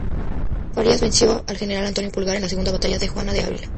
Farías, venció al general Antonio Pulgar, en la segunda batalla de Juana de Ávila.